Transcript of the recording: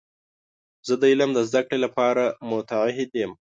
زه د علم د زده کړې لپاره متعهد یم.